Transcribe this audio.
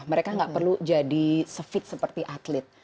mereka enggak perlu jadi sefit seperti atlet